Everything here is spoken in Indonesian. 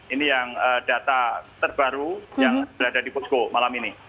ini yang data terbaru yang berada di posko malam ini